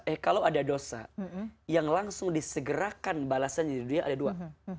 eh kalau ada dosa yang langsung disegerakan balasannya di dunia ada dua